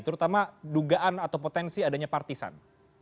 terutama dugaan atau potensi adanya partisan